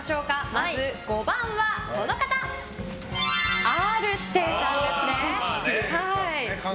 まず５番はＲ‐指定さんですね。